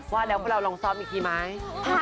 ว่าแล้วพวกเราลองซ้อมอีกทีไหม